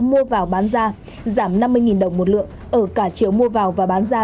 mua vào bán ra giảm năm mươi đồng một lượng ở cả chiều mua vào và bán ra